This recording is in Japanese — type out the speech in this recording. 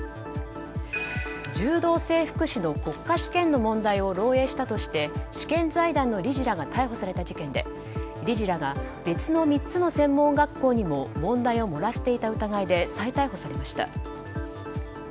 柔道整復師の国家試験の問題を漏洩したとして試験財団の理事らが逮捕された事件で理事らが別の３つの専門学校にも問題を漏らしていた疑いで再逮捕されました。